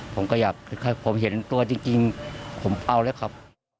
ผมก็อยากให้ผมเห็นตัวจริงผมเอาแล้วครับ